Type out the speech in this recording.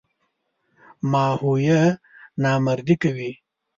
ماهویه نامردي کوي.